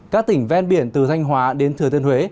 các tỉnh ven biển từ thanh hóa đến thừa thiên huế